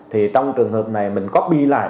thì trong trường hợp này mình copy lại